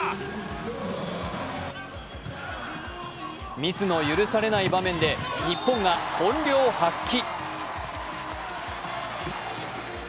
ミスの許されない場面で日本が本領発揮。